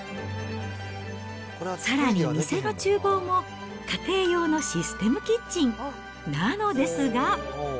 さらに店のちゅう房も家庭用のシステムキッチンなのですが。